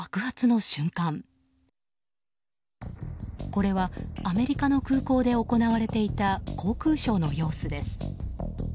これはアメリカの空港で行われていた航空ショーの様子です。